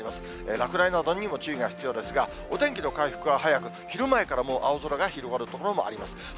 落雷などにも注意が必要ですが、お天気の回復は早く、昼前からもう青空が広がる所もありそうです。